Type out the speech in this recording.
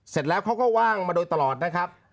เสร็จแล้วเขาก็ว่างมาโดยตลอดนะครับ